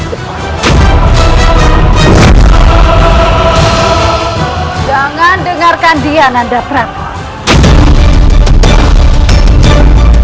jangan lupa subscribe channelintérieur com dan aktifkan loncengnya untuk mendapatkan video berikutnya